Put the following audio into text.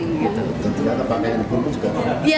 ternyata pakaian film juga